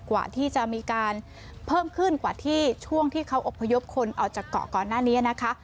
กว่าที่จะมีการเพิ่มขึ้นกว่าที่ช่วงที่เขาอบพยพคนออกจากเกาะก่อนหน้านี้นะคะ